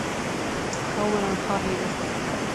Cá bhfuil an chathaoir